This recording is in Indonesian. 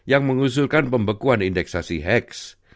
yang mengusulkan pembekuan indeksasi hecs